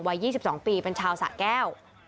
วัย๒๒ปีเป็นชาวสะแก้ว